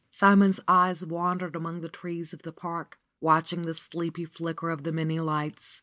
Simon's eyes wandered among the trees of the park, watching the sleepy flicker of the many lights.